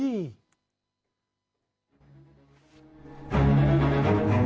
เจ็ดเก้า